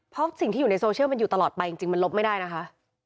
เพราะสิ่งที่อยู่ในโซเชียลมันอยู่ตลอดไปจริงมันลบไม่ได้นะคะ